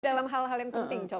dalam hal hal yang penting